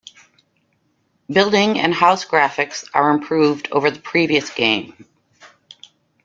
Building and house graphics are improved over the previous game.